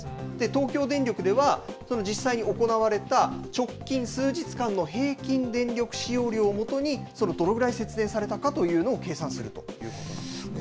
東京電力では、その実際に行われた直近数日間の平均電力使用量をもとに、どのぐらい節電されたかというのを計算するということなんですね。